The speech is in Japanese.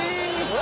何？